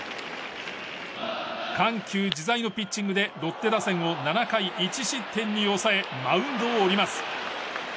緩急自在のピッチングでロッテ打線を７回１失点に抑えマウンドを降ります。